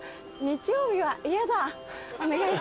お願いします。